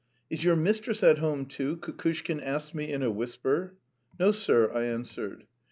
"Is your mistress at home, too?" Kukushkin asked me in a whisper. "No, sir," I answered.